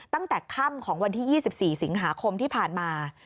ตั้งแต่ค่ำของวันที่๒๔สิงหาคมที่ผ่านมา